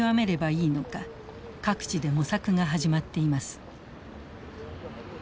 各地で模索が始まっています。